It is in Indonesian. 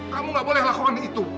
kamu gak boleh lakukan itu